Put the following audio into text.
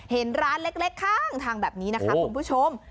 เห็นร้านเล็กข้างทางแบบนี้นะคะคุณผู้ชม